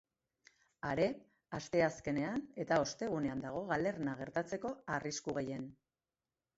Are, asteazkenean eta ostegunean dago galerna gertatzeko arrisku gehien.